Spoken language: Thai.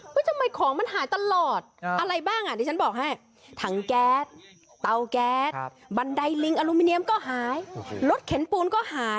ไม่ทำไมของมันหายตลอดอะไรบ้างอ่ะที่ฉันบอกให้ทางแก๊สเตาแก๊สบันไดลิงอลูมิเนียมก็หายรถเข็นปูนก็หายเครื่องสูบน้ำก็หาย